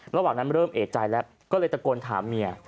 ระหว่างนั้นเริ่มเอกใจแล้วก็เลยตะโกนถามเมีย